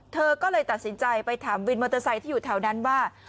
เธอก็เลยตัดสินใจไปถามวินมอเตอร์ไซค์ที่อยู่แถวนั้นว่า